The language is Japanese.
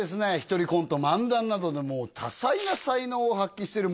１人コント漫談などでもう多彩な才能を発揮してる